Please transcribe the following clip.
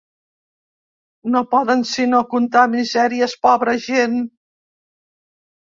No poden sinó contar misèries, pobra gent!